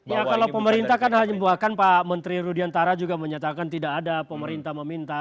ya kalau pemerintah kan hanya buahkan pak menteri rudiantara juga menyatakan tidak ada pemerintah meminta